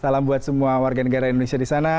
salam buat semua warga negara indonesia di sana